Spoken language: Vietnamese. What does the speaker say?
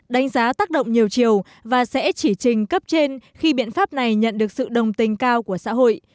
đánh giá tác động nhiều chiều và sẽ chỉ trình cấp trên khi biện pháp này nhận được sự đồng tình cao của xã hội